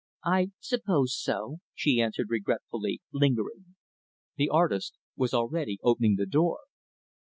"I suppose so," she answered regretfully lingering. The artist was already opening the door.